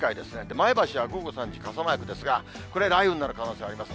前橋は午後３時、傘マークですが、これ、雷雨になる可能性あります。